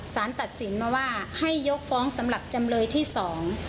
สารตัดสินมาว่าให้ยกฟ้องสำหรับจำเลยที่สอง